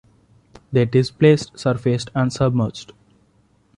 They displaced surfaced and submerged.